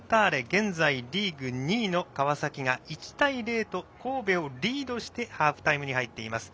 現在、リーグ２位の川崎が１対０と神戸をリードしてハーフタイムに入っています。